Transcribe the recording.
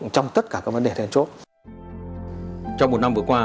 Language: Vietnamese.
trong tất cả các vấn đề then chốt